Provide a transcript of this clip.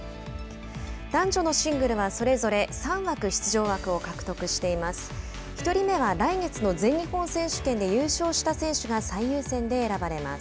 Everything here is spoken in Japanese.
男女のシングルはそれぞれ３枠出場枠を獲得しています。